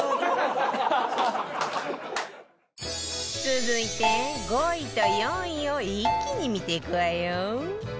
続いて５位と４位を一気に見ていくわよ